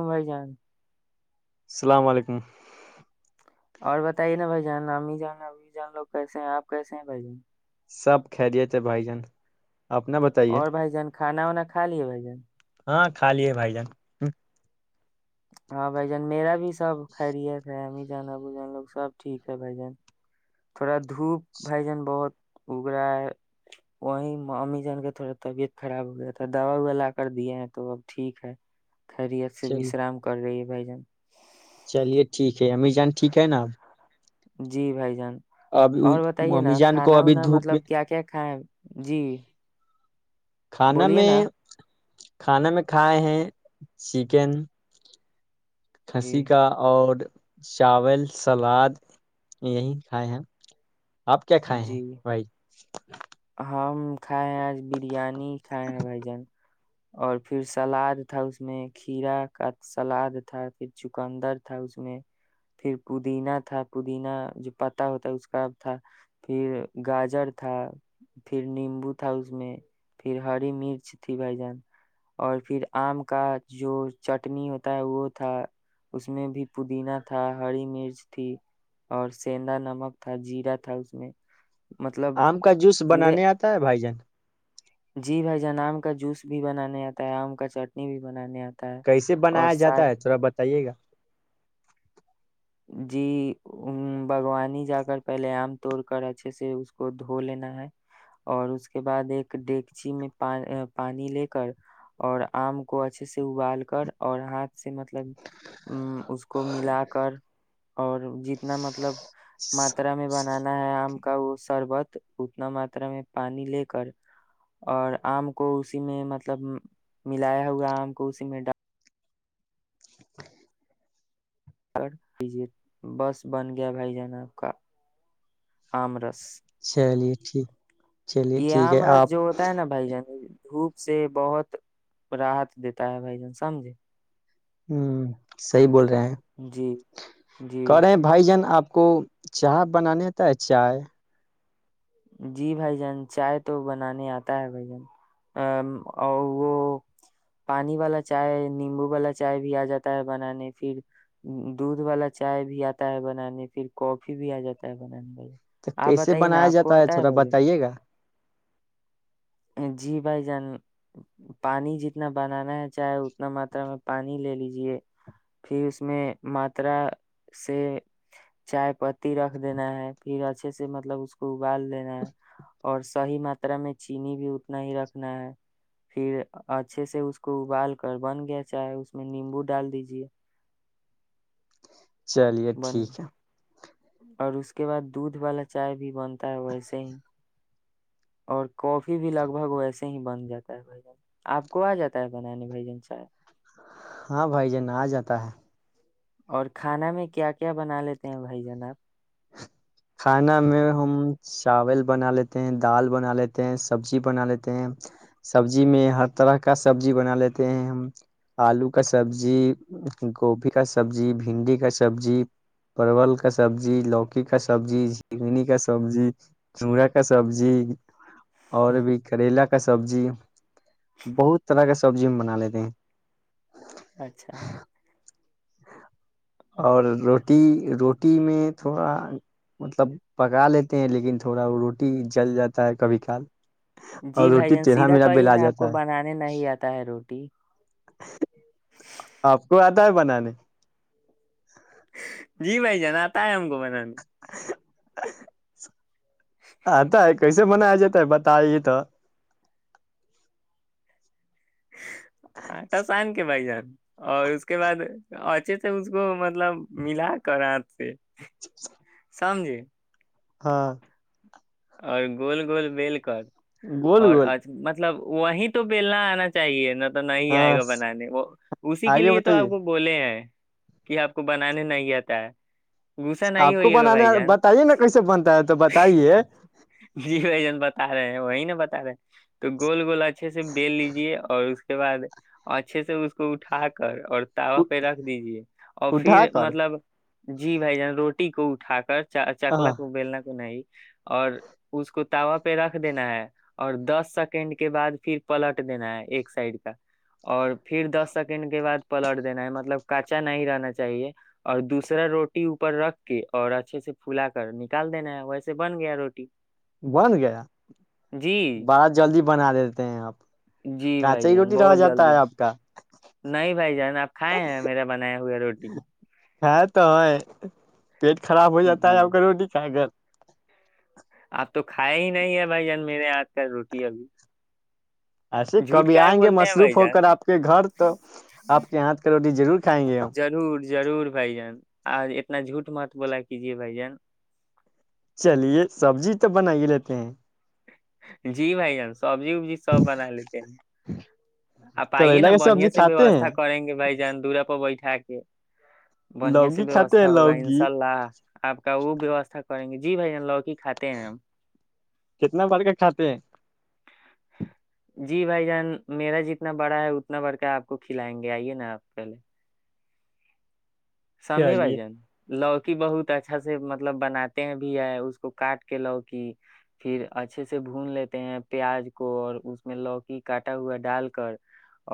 بھائی جان السلام علیکم اور بتائیے نا بھائی جان امی جان امی جان لوگ کیسے ہیں اپ کیسے ہیں بھائی سب خیریت ہے بھائی جان اپنا بتائیے اور بھائی جان کھانا کھا لیا بھائی جان ہاں کھا لیے بھائی جان ہاں بھائی جان میرا بھی سب خیریت ہے امید سب ٹھیک ہے بھائی جان دھوپ بھائی جان بہت گھوگ رہا ہے وہی امی جان کا تھوڑا تربیت خراب ہو گیا تھا دعوی میں لا کر دیے ہیں تو اب ٹھیک ہے خیریت سے بھی چلیے سلام کر رہی ہے جن چلیے ٹھیک ہے امی جان ٹھیک ہے نا جی بھائی جان اب اور بتائیے امی نا جان کو کھانا ابھی بنا دھوپ میں مطلب کیا کیا کھائیں جی کھانا بولیے میں نا کھانے میں کھائے ہیں چکن جی ہنسی کا اور چاول سلاد یہی کھائے ہیں آپ کیا کھائے ہیں جی بھائی [inaudible] ہم کھائے ہیں آج بریانی کھائے ہیں بھائی جان اور پھر سلاد تھا اس میں کھیرا کا سلاد تھا پھر چکندر تھا اس میں پھر پودینہ تھا پودینہ جو پتا ہوتا ہے اس کا تھا پھر گاجر تھا پھر نیمبو تھا اس میں پھر ہری مرچ تھی بھائی جان اور پھر آم کا جو چٹنی ہوتا ہے وہ تھا اس میں بھی پودینہ تھا ہری مرچ تھی اور سینھا نمک تھا جیرا تھا اس میں مطلب آم کا جوس پورے بانے آتا ہے ب ائی جان جی بھائی جن آم کا جوس بھی بنانے آتا ہے آم کا چٹنی بھی بنانے آتا ہے کیسے اور بنایا جاتا ساتھ ہے تھوڑا بتائیے گا جی باغوانی جا کر پہلے آم توڑ کر اچھے سے اس کو دھو لینا ہے اور اس کے بعد ایک ڈگچی میں پانی لے کر اور آم کو اچھے سے ابال کر اور ہاتھ سے مطلب ا اس کو ملا کر اور جتنا مطلب ماترا میں بنانا ہے آپ کا وہ سربت اتنا ماترا میں پانی لے کر اور آم کو اسی میں مطلب ملایا ہوا آم کو اسی میں ڈال بس بن گیا بھائی جان آب کا آم رس چلیے ٹھیک [inaudible] یہ ٹھیک آم ہے رض آپ جو ہوتا ہے نا بائی جان دھوپ سے بہت راحت دیتا ہے بھائی جان سمجھے ہوں سی بول [inaudible] رہ ہیں جی جی کر رہے ہیں بھائی جان آپ [inaudible] کو چاہ بنانےتا ہے چائے جی بھائی جان چائے تو بنانے آتا ہے بھائی جان اور وہ پانی والا چائے نیمبو والا چائے بھی آ جاتا ہے بنانے پھر دودھ والا چائے بھی آتا ہے بنانے پھر کافی بھی آ جاتا ہے بنانے بھ تو کیسے بنایا جاتا ہوتا ہے تھوڑا بتائیے گا جی بھائی جان پانی جتنا بنانا ہے چائے اتنا ماترا میں پانی لے لیجے پھر اس میں ماترا سے چائے پتی رکھ دینا ہے پھر اچھے سے مطلب اس کو بال دینا [inaudible] اور صحی ماترا میں چ چینی بھی اتنا ہی رکھنا ہے پھر اچھے سے اس کو ابال کر بن گیا چاہے اس میں نیمبو ڈال دیجے چلیے ٹھیک ہے اور اس کے بعد دودھ والا چائے بھی بنتا ہے ویسے ہی اور کافی بھی لگ بھگ ویسے ہی بن جاتا ہے بھائی آپ کو آ جاتا ہے بنانے بھائی جن چائے ہاں بھائی ج ن آ جاتا ہے اور کھانا میں کیا کیا بنا لیتے ہیں بھائی جان آپ کھانا میں ہم چاول بنا لیتے ہیں دال بنا لیتے ہیں سبزی بنا لیتے ہیں سبزی میں ہر طرح کا سبزی بنا لیتے ہیں ہم آلو کا سبزی گوبھی کا سبزی بھنڈی کا سبزی پرول کا سبزی لوکی کا سب سبزی چگنی کا سبزی چڑا کا سبزی اور بھی کریلا کا سبزی بہت طرح کا سبزی ہم بنا لیتے ہیں اچھا اور روٹی روٹی [inaudible] روٹی میں تھوڑا مطلب پکا لیتے ہیں لیکن تھوڑا وہ روٹی جل جاتا ہے کبھی کار جی بھائی جان سیدھا کویے نا آپ جاتا کو ہے بنانے نہیں آتا ہے روٹی آپ کو آتا ہے بنانے جی بھائی جناتا ہے ہم کو بن [inaudible] آتا ہے ک سے منایا جاتا ہے بتائیے تو آٹا سن کے بھائی ج اور اس کے بعد اچے سے اس کو مطلب ملا کر ہات سے سمجھے ہاں اور گول گول بیل کر گول اور گول آج مت مطلب وہیں تو پلنا آنا چاہیے ن تو نہیں آئے ہاں گا بنانے وہ اسی کے آگے لیے تو بتائیے آپ کو بولے ہیں کہ آپ کو بنانے نہیں آتا ہے غصہ نہیں آپ کو ہوئیے گا بنانے بھائی جان بتائیے نا کیسے بنتا ہے تو بتائیے جی بھائی جان بتا رہے ہیں وہی ن بتا رہے تو گول والا اچھے سے بیل لیجیے اور اس کے اس کے بعد اچھے سے اس کو اٹھا کر اور تاوا پہ رکھ دیجے اور اٹھا پھر کر مطلب جی بھائی جان روٹی ٹی کو اٹا کر چ چکلا ہاں کو بلنا کو نہیں اور اس کو تاوا پہ رکھ دینا ہے اور دس سیکنڈ کے بعد پھر پلٹ دینا ہے ایک سائیڈ کا اور پھر دس سیکنڈ کے بعد پلٹ دینا ہے مطلب کچا نہیں رہنا چاہیے اور دوسرا روٹی اوپر رکھ کے اور اچھے سے پلا کر نکال دینا ہے ویسے بن گیا روٹی بن گیا جی بہت جلدی بنا دیتے ہیں آپ جی کانچا بھائی ہی جان روٹی رہ بہت جاتا جلدی ہے آپ کا نہیں بھائی جان آپ کھائے ہیں میرا بنایا ہوئے روٹی کھایا تو ہے پیٹ خراب ہو جاتا جی ہے اگر روڈی کھا کر اپ تو کھیا ہی نہیں ہے بھائی جان میرے آج کل روٹی ابھی ایسے جھوٹ کبھی کاہے آئیں گے بولتے ہیں مصروف بھائی ہو جان کر آپ کے گھر تو آپ کے ہاتھ کا روٹی ضرور کھائیں گے ہم ضرور ضرور بھائی جان آ اتنا جھوٹ مات بولا کیجیے بھائی جان چلیے سبزی تو بنا ہی لیتے ہیں جی بھائی جانس سبزی وبزی سب بنا لیتے ہیں آپ آئیے کریلا نا کی بڑیا سبزی سے کھاتے ویوستھا ہیں کریں گے بھائی جان دورا پ بیٹھے ہےیکے بڑھیا سے لوکی کھاتے ہیں ویوستھا ہوگا انشاء لوکی اللہ آپ کا وہ ووستھا کریں گے جی بائی جان لوکی کھاتے ہیں ہم کتنا بڑ کے کھاتے ہیں [inaudible] جی بھائی جان میرا جتنا بڑا ہے اتنا بڑھ کر آپ کو کھلائیں گے آئیے نا آپ پہلے سگے بائی چلیے جان لوکی بہت اچھا سے مطلب بناتے ہیں بھی ہے اس کو کاٹ کے لوکی پھر اچھے سے بھون لیتے ہیں پیاز کو اور اس میں لوکی کاٹا ہوا ڈال کر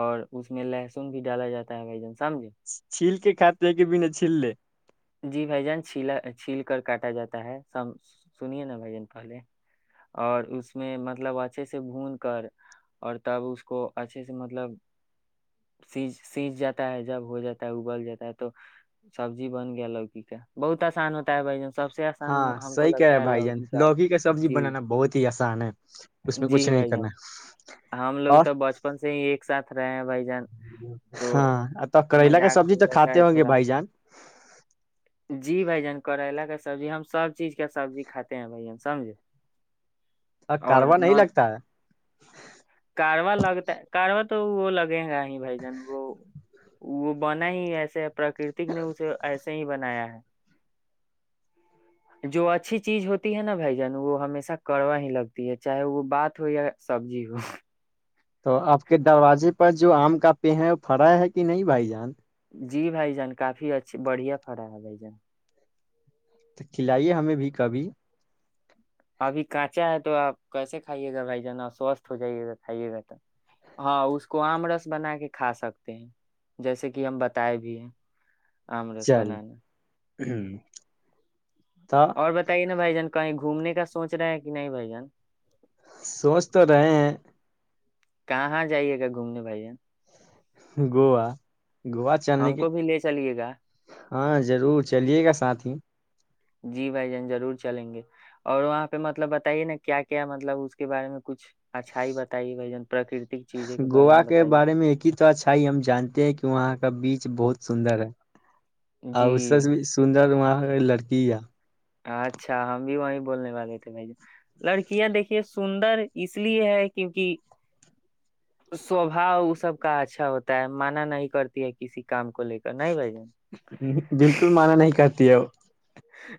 اور اس میں لہسن بھی ڈالا جاتا ہے بھ جن چھیل کے کھاتے کے بھی نہیںھی چلے جی بھ جان چھیلا چھیل کر کاٹا جاتا ہے س سنیے نا بھ جان پہلے اور اس میں مطلب اچھے سے بھون کر اور تب اس کو اچھے سے مطلب س سیج جاتا ہے جب ہو جاتا ہے اگل جاتا ہے تو سبزی بن گیا لوکی کا بہت آسان ہوتا ہے بھائی جن سے آسان ہاں ہم کو صحیح کہہ رہے ہیں لگتا ہے بھائی جان لوکی کا سبزی جی بنانا بہت ہی آسان ہے اس میں کچھ جی نہیں بھائی کرنا جان اور سھ رہے ہیں بائی ہاں تو کریلا کا مذاق سبزی ہو تو جاتا کھاتے ہے ہوں گے تھوڑا بھائی جان جی بھ جن کریلا کا سبزی ہم سب چیز کا سبزی کاتے ہیں بھ جان سمج ا کاروار نہیں لگتا ہے کارواں لگتا ہے کارواں تو وہ لگے گا ہی بائی جان کو وہ بنا ہی ایسے پراکرتک نے اسے ایسا ہی بنایا ہے جو اچھی چیز ہوتی ہے نا بھائی جان وہ ہمیشہ کڑوا ہی لگتی ہے چاہے وہ بات ہو یا سبزی ہو تو آپ کے دروازے پر جو آم کا پے ہے وہ پڑا ہے کہ نہیں بھائی جان جی بھائی جان کافی اچھے بڑھیا پڑا ہے بھائی جان تو کھلائیے ہمیں بھی کبھی ابھی کانچا ہے تو آپ کیسے کھائیے گا بھائی ج نا سوستھ ہو جائیے گا کھائیے گا تو ہاں اس کو آم رس بنا کے کھا سکتے ہیں جیسے کہ ہم بتائے بھی ہیں آمرس بنانا ہوں اور بتائیے نا بھائی جان کو کہیں گھومنے کا سوچ رہے ہے کہ نہیں بھ جن سوچ تو رہے ہیں کہاں جائیے گا گھومنے بھائیان گووا گووا چلنے ہم کی کو بھی لے چلیے گا ہاں ضرور چلیے گا ساتھ ہی جی بھائی جان ضرور چلیں گے اور وہاں پہ مطلب بتائیے نا کیا کیا مطلب اس کے بارے میں کچھ اچھائی بتائیے بھائی جان پراکرتک چیزوں کے بارے گووا میں کے بتائیے بارے میں ایک ہی تو اچھا ہم جانتے ہیں کہ وہاں کا بیچ بہت سندر ہے اور جی اس سے بھی سندر لڑکی ہے اچھا ہم بھی وہی بولنے والے تھے بھائی جن لڑکیاں دیکھیے سندر اس لیے ہے کیونک سوباؤ وہ سب کا اچھا ہوتا ہے مانا نہیں کرتی ہے کسی کام کو لے کر نہیں بھائی جن ہ بالکل مانا نہیں کرتی ہے وہ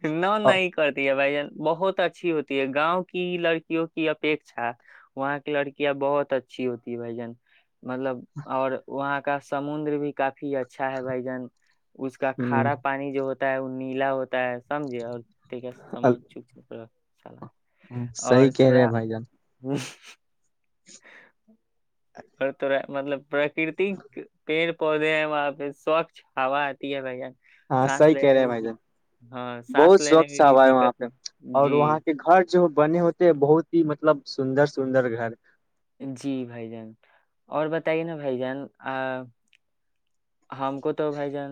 نہ نہیں کرتی ہے بھائی جان بہت اچھی ہوتی ہے گاؤں کی لڑکیوں کی اپیکھا وہاں کی لڑکیاں بہت اچھی ہوتی ہے بھائی جان مطلب اور وہاں کا سمندر بھی کافی اچھا ہے بھائی جن اس کا کھارا پانی جو ہوتا ہوتا ہے وہ نیلا ہوتا [inaudible] سمجھے اور کیا سمجھ چک چا چل [inaudible] ہ صحی کہہ رہے ہیں بھائی جان [inaudible] اور تو مطلب کررتی پیر پودے ہیں وہاں پہ سوچھ ہا آتی ہے بھ جان ہاں صحی کہہ رہے ہیں بھائی جان بہت سوچھ آوا ہے وہاں پہ اور وہاں کے گھر جو بنے ہوتے بہت ہی مطلب سندر سندر گھر جی بھائی جان اور بتائیے نا بھائی جان ہم کو تو بھائی جان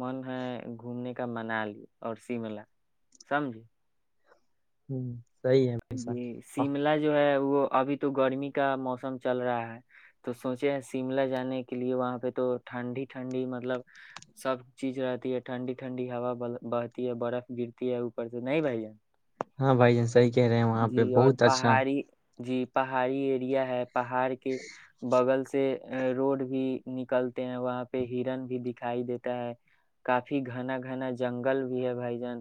من ہے گھومنے کا منالی اور شملا سمجھے ہوں جی شملا جو ہے وہ ابھی تو گرمی کا موسم چل رہا ہے تو سوچے ہیں شملہ جانے کے لیے وہاں پہ تو ٹھنڈی ٹھنڈی مطلب سب چیز رہتی ہے ٹھنڈی ٹھنڈی ہوا بہتی ہے برف گرتی ہے اوپر سے نہیں بھائی ہاں بائی جانس طح کہہ رہے ہیں وہاں پہ جی اور بہت اچھا پہاڑی جی پہاڑی ایریا ہے پہاڑ کے بغل سے سے روڈ بھی نکلتے ہیں وہاں پہ ہرن بھی دکھائی دیتا ہے کافی گھنا گھنا جنگل بھی ہے بھائی جان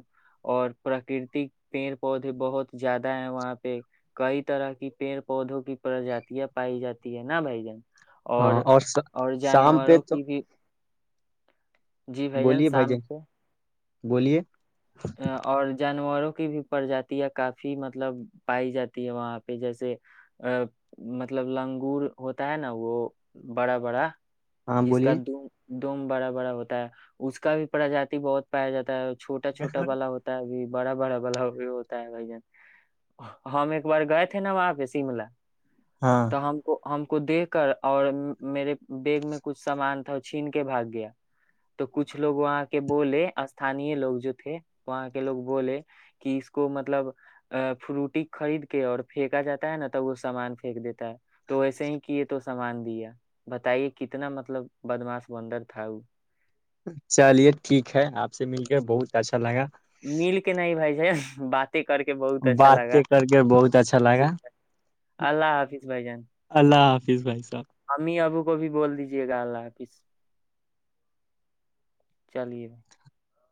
اور پراکرتک پیڑ پودے بہت زیادہ ہے وہاں پہ کئی طرح کی پیڑ پودوں کی پرجاتیاں پائی جاتی ہے نا بھائی جن اور اور شام پہ جانوروں تو کی بھی جی بھائی جان شام کو بولیے اور جانوروں کی بھی پرجاتیا کافی مطلب پائی جاتی ہے وہاں پہ جیسے ا مطلب لنگور ہوتا ہے نا وہ بڑا بڑا ہاں جس کا بولیے د [inaudible] دوم بڑا بڑا ہوتا ہے اس کا بھی پرجاتی بہت پایا جاتا ہے ٹ والا ہوتا ہے اب بڑا بڑا بلا یہ ہوتا ہے بھائی جان ہم ایک بار گئے تھے نا وہاں پہ شملہ ہاں تو ہم کو ہم کو دے کر اور میرے بیگ میں کچھ سامان تھا چھین کے بھاگ گیا تو کچھ لوگ وہاں کے بولے اسھانی لوگ جو تھے وہاں کے لوگ بولے کہ اس کو مطلب ا فروٹی خرید کے اور پھینکا جاتا ہے نا تو وہ سامان پھینک دیتا ہے تو وسے ہی کیے تو سامان دیا بتائیے کتنا مطلب بدماش بندر تھا وہ چلیے ٹھیک ہے آپ سے مل کے بہت اچھا لگا مل کے نہیں بھائی ج بقی [inaudible] باتیں کر کے بہت اچھا جی لگا اللہ حافظ [inaudible] بائی جان پچیس بائیس ہمیں ابو [inaudible] کو بھی بول دیجے گا آاپس چلیے